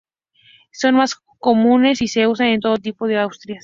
Son los más comunes y se usan en todo tipo de industrias.